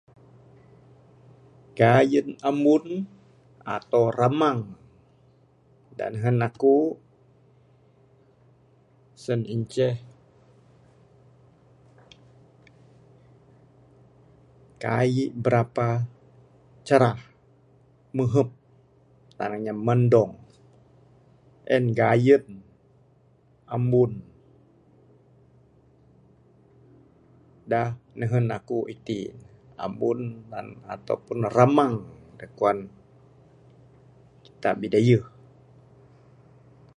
Gayun ambun ato ramang da nehun akuk sien inceh, kaik berapa cerah. Mehup, tanang nya mendong. En gayun ambun da nehun akuk iti ne. Ambun atau pun ramang da kuwan kitak Bidayuh.